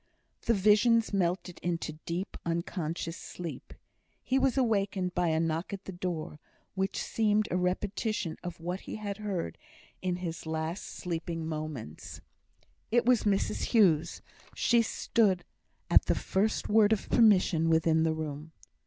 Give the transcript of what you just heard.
The visions melted into deep, unconscious sleep. He was awakened by a knock at the door, which seemed a repetition of what he had heard in his last sleeping moments. It was Mrs Hughes. She stood at the first word of permission within the room.